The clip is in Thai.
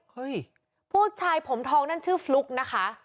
ผู้ชายผมทองนั่นชื่อฟลุ๊กนะคะ